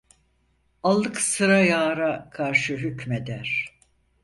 Allık sıra yâra karşı hükmeder.